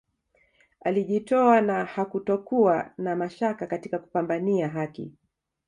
Alijitoa na hakutokuwa na mashaka katika kupambania haki